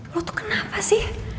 lo tuh kenapa sih